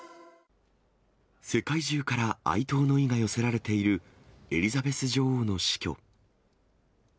世界中から哀悼の意が寄せられている、エリザベス女王の死去。